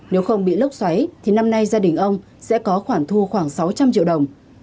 nếu không bị lốc xoáy thì năm nay gia đình ông sẽ có khoản thu khoảng sáu trăm linh triệu đồng